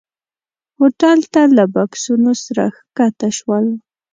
هوټل ته له بکسونو سره ښکته شول.